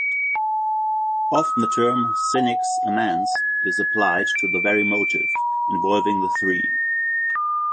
Often the term "senex amans" is applied to the very motif involving the three.